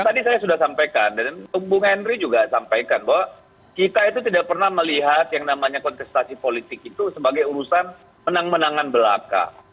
karena tadi saya sudah sampaikan dan bung henry juga sampaikan bahwa kita itu tidak pernah melihat yang namanya kontestasi politik itu sebagai urusan menang menangan belaka